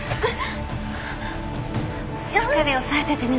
しっかり押さえててね。